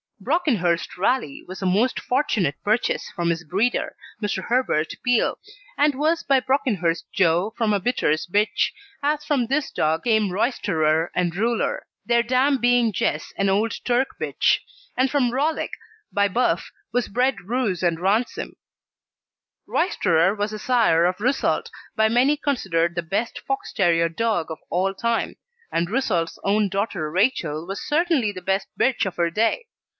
Brockenhurst Rally was a most fortunate purchase from his breeder, Mr. Herbert Peel, and was by Brockenhurst Joe from a Bitters bitch, as from this dog came Roysterer and Ruler, their dam being Jess, an old Turk bitch; and from Rollick by Buff was bred Ruse and Ransome. Roysterer was the sire of Result, by many considered the best Fox terrier dog of all time; and Result's own daughter Rachel was certainly the best bitch of her day.